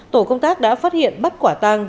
tổ công tác đã phát hiện bắt quả tàng